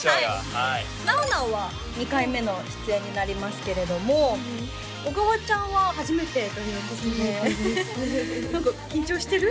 はいなおなおは２回目の出演になりますけれども小川ちゃんは初めてということで初めてです何か緊張してる？